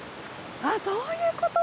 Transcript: あっそういうこと？